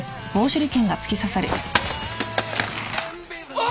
あ！